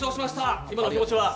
今の気持ちは？